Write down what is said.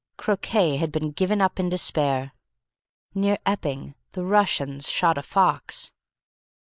Croquet had been given up in despair. Near Epping the Russians shot a fox....